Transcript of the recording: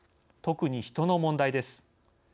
特に人の問題です。